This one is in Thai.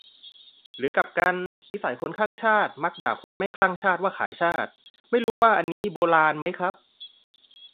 หรือกลับกัน "วิสัยคนคลั่งชาติมักด่าคนไม่คลั่งว่าขายชาติ" ? ไม่รู้ว่าอันนี้ 'โบราณ' ไหมครับ